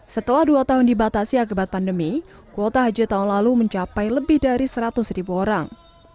setelah dua tahun dibatasi akibat pandemi kuota haji tahun lalu mencapai lebih dari seratus ribu orang